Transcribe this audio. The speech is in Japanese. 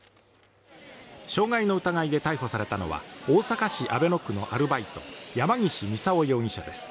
傷害の疑いで逮捕されたのは大阪市阿倍野区のアルバイト山岸操容疑者です。